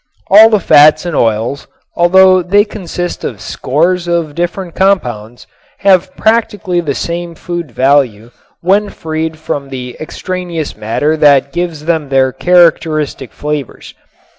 All the fats and oils, though they consist of scores of different compounds, have practically the same food value when freed from the extraneous matter that gives them their characteristic flavors.